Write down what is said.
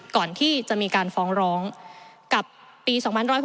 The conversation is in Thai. ก่อนที่จะมีการฟ้องร้องกับปี๒๑๖๖